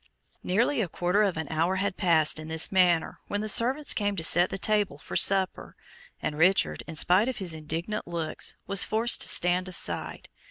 Nearly a quarter of an hour had passed in this manner when the servants came to set the table for supper, and Richard, in spite of his indignant looks, was forced to stand aside.